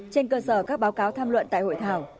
trên cơ sở các báo cáo tham luận tại hội thảo